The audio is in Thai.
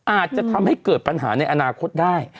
อาจจะทำให้เกิดปัญหาในอนาคตได้